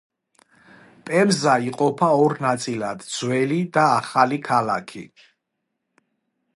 პემბა იყოფა ორ ნაწილად: ძველი და ახალი ქალაქი.